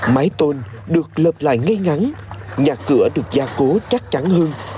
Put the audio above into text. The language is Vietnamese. mái tôn được lợp lại ngay ngắn nhà cửa được gia cố chắc chắn hơn